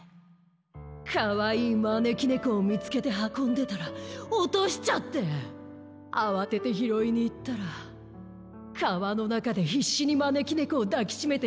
かわいいまねきねこをみつけてはこんでたらおとしちゃってあわててひろいにいったらかわのなかでひっしにまねきねこをだきしめてるひとがいたんだ。